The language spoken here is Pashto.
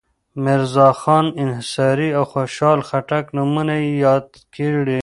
میرزاخان انصاري او خوشحال خټک نومونه یې یاد کړي.